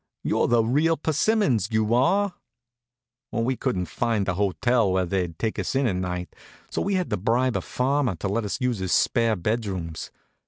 You're the real persimmons, you are." We couldn't find a hotel where they'd take us in that night, so we had to bribe a farmer to let us use his spare bed rooms.